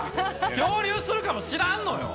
漂流するかもしらんのよ。